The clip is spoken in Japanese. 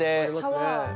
シャワーの。